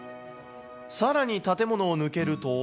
さらに建物を抜けると。